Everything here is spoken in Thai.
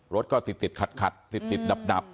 รถก็ติดขัดติดดับ